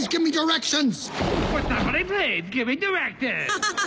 アハハハ！